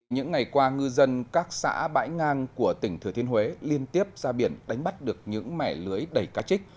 những ngày qua ngư dân các xã bãi ngang của tỉnh thừa thiên huế liên tiếp ra biển đánh bắt được những mẻ lưới đầy cá trích